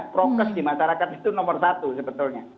prokes di masyarakat itu nomor satu sebetulnya